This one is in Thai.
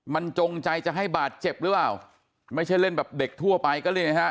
มันจงใจจะให้บาดเจ็บหรือเปล่าไม่ใช่เล่นแบบเด็กทั่วไปก็เรียกไงฮะ